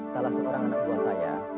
salah seorang anak buah saya